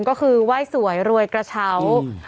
ก็คือไหว้สวยรวยกระเช้า